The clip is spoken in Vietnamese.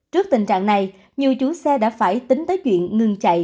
trước tình trạng này nhiều chủ xe đã phải tính tới chuyện ngừng chạy